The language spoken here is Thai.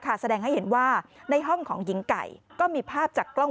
แสดงให้เห็นว่าในห้องของหญิงไก่ก็มีภาพจากกล้อง